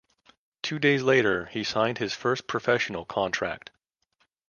Two days later he signed his first professional contract.